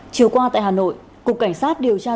chiều qua tại hà nội cục cảnh sát điều tra tội phạm